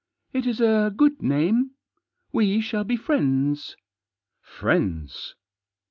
" It is a good name. We shall be friends." " Friends!"